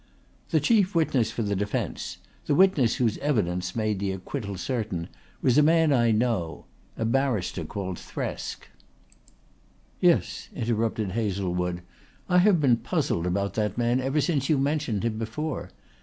"The chief witness for the defence, the witness whose evidence made the acquittal certain, was a man I know a barrister called Thresk." "Yes," interrupted Hazlewood. "I have been puzzled about that man ever since you mentioned him before.